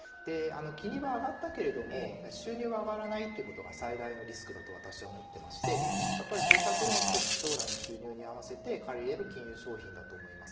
金利は上がったけれども収入は上がらないということが最大のリスクだと私は思ってましてやっぱり住宅ローンというのは将来の収入に合わせて借り入れる金融商品だと思います。